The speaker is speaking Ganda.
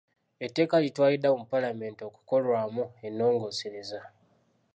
Etteeka litwaliddwa mu paalamenti okukolwamu ennongoosereza.